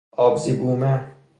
آبزی بومه